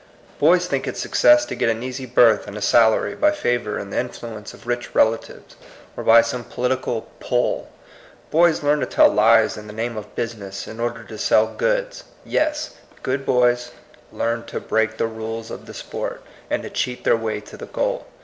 Boys think it success to get an easy berth and a salary by favor and the influence of rich relatives, or by some political ^^pull." Boys learn to tell lies in the name of business in order to sell goods. Yes I Good boys learn to break the rules of the sport, and to cheat their way to the goal.